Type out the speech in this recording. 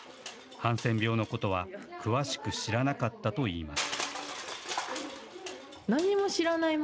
ハンセン病のことは詳しく知らなかったといいます。